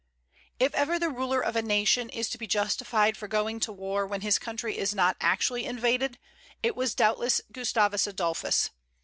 If ever the ruler of a nation is to be justified for going to war when his country is not actually invaded, it was doubtless Gustavus Adolphus.